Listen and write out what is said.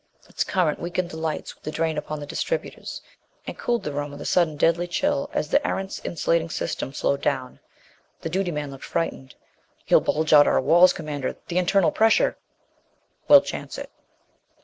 Its current weakened the lights with the drain upon the distributors, and cooled the room with a sudden deadly chill as the Erentz insulating system slowed down. The duty man looked frightened. "You'll bulge out our walls, Commander. The internal pressure " "We'll chance it."